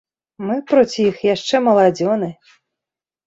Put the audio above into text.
Мы проці іх яшчэ маладзёны.